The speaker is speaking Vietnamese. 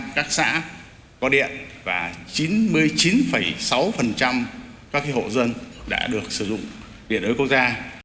một trăm linh các xã có điện và chín mươi chín sáu các hộ dân đã được sử dụng điện đối với quốc gia